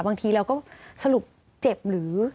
บางทีเราก็สรุปเจ็บหรือ